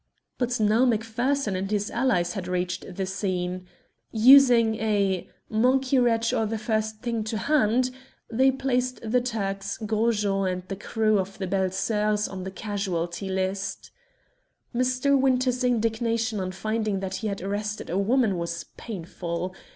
But now Macpherson and his allies had reached the scene. Using a "monkey wrench or the first thing to hand," they placed the Turks, Gros Jean, and the crew of the Belles Soeurs on the casualty list. Mr. Winter's indignation on finding that he had arrested a woman was painful.